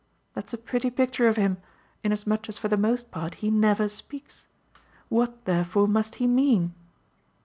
"That's a pretty picture of him, inasmuch as for the most part he never speaks. What therefore must he mean?"